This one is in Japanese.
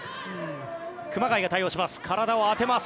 熊谷が対応します。